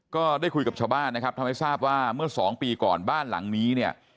ก็ได้คุยกับชาวบ้านทำให้ทราบว่าเมื่อ๒ปีก่อนบ้านหลังนี้